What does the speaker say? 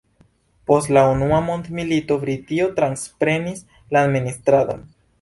Post la unua mondmilito Britio transprenis la administradon.